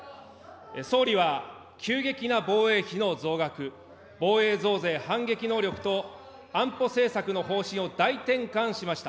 総理は急激な防衛費の増額、防衛増税、反撃能力と安保政策の方針を大転換しました。